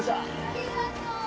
ありがとう。